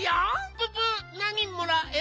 ププなにもらえる？